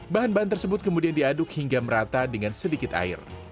bahan bahan tersebut kemudian diaduk hingga merata dengan sedikit air